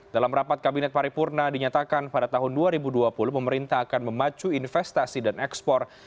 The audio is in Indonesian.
dalam rapat kabinet paripurna dinyatakan pada tahun dua ribu dua puluh pemerintah akan memacu investasi dan ekspor